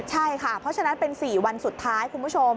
ใช่ค่ะเพราะฉะนั้นเป็น๔วันสุดท้ายคุณผู้ชม